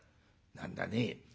何だね